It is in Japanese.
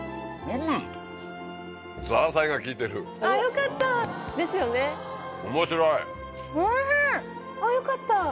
あっよかった。